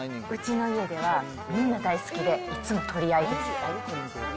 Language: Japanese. うちの家ではみんな大好きで、いつも取り合いです。